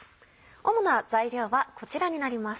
主な材料はこちらになります。